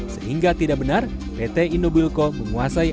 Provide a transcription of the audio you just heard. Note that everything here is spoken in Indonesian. sehingga tidak benar pt indobuilko menguasai